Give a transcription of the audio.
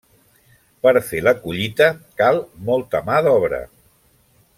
Per fer la collita cal molta mà d'obra.